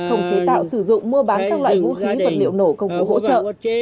không chế tạo sử dụng mua bán các loại vũ khí vật liệu nổ công cụ hỗ trợ